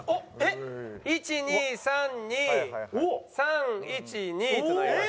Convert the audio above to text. １２３２３１２となりました。